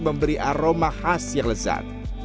memberi aroma khas yang lezat